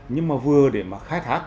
nhưng mà vừa để mà khai thác